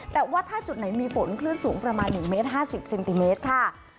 แต่ว่าถ้าจุดไหนมีฝนคลื่นสูงประมาณ๑เมตร๕๐เซนติเมตรค่ะ